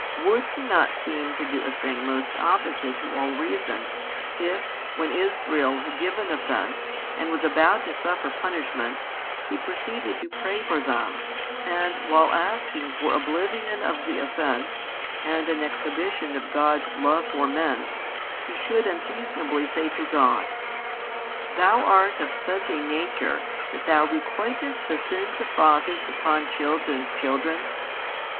Would he not seem to do a thing most opposite to all reason, if, when Israel had given offence and was about to suffer punishment, he proceeded to pray for them, and, while asking for oblivion of the offence and an exhibition of God's love for men, he should unseasonably say to God: Thou art of such a nature that Thou requitest the sins of fathers upon children's children?